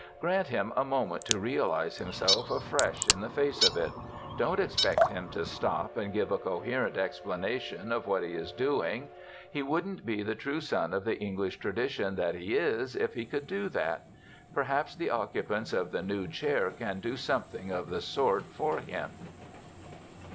Grant him a moment to realize himself afresh in the face of it. Don't expect him to stop and give a coherent explanation of what he is doing. He wouldn't be the true son of the English tradition that he is if he could do that. Perhaps the occupants of the new chair can do something of the sort for him.